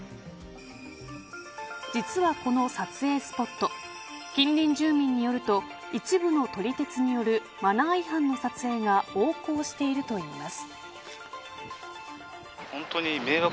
実はこの撮影スポット近隣住民によると一部の撮り鉄によるマナー違反の撮影が横行しているといいます。